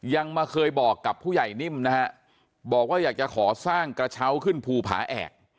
ยังมาเคยบอกกับผู้ใหญ่นิ่มนะฮะบอกว่าอยากจะขอสร้างกระเช้าขึ้นภูผาแอก